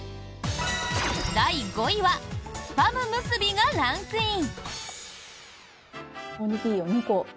第５位はＳＰＡＭむすびがランクイン！